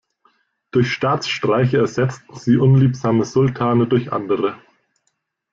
Durch Staatsstreiche ersetzten sie unliebsame Sultane durch andere.